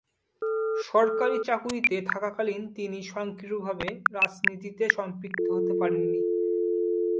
সরকারি চাকুরীতে থাকাকালীন তিনি সক্রিয় ভাবে রাজনীতিতে সম্পৃক্ত হতে পারেন নি।